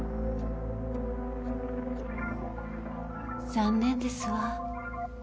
残念ですわ。